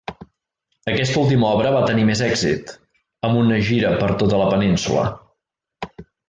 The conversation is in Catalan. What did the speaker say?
Aquesta última obra va tenir més èxit –amb una gira per tota la península–.